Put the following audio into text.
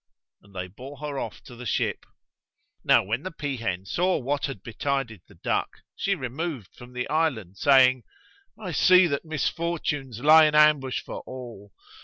and they bore her off to the ship. Now when the peahen saw what had betided the duck, she removed from the island, saying, "I see that misfortunes lie in ambush for all.